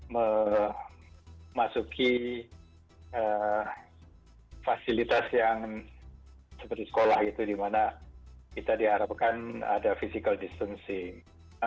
memasuki fasilitas yang seperti sekolah itu dimana kita diharapkan ada physical distancing